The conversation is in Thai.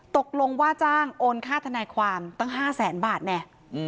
ตกลงว่าจ้างโอนค่าทนายความตั้ง๕แสนบาทแน่